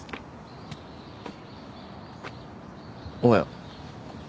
おはよう。